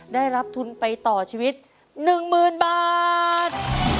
ได้รับทุนไปต่อชีวิตหนึ่งหมื่นบาท